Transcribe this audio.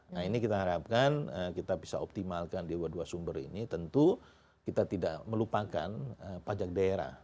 nah ini kita harapkan kita bisa optimalkan di dua dua sumber ini tentu kita tidak melupakan pajak daerah